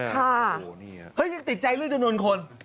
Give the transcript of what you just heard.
เขายังติดใจเรื่องจำนวนคน